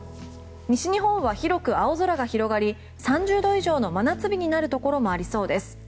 西日本は広く青空が広がり３０度以上の真夏日になるところもありそうです。